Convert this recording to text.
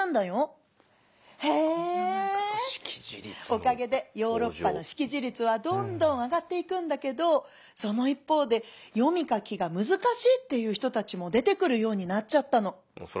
「おかげでヨーロッパの識字率はどんどん上がっていくんだけどその一方で読み書きが難しいっていう人たちも出てくるようになっちゃったの。